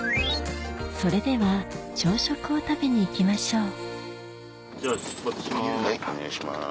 それでは朝食を食べに行きましょうじゃあ出発します。